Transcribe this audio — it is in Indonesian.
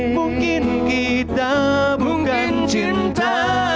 mungkin kita bukan cinta